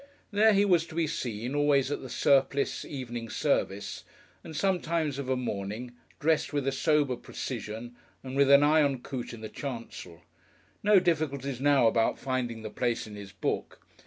There he was to be seen, always at the surplice evening service, and sometimes of a morning, dressed with a sober precision, and with an eye on Coote in the chancel. No difficulties now about finding the place in his book.